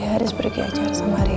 jadi haris pergi ajar sama riley